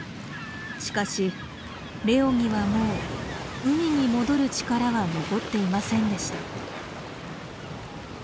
しかしレオにはもう海に戻る力は残っていませんでした。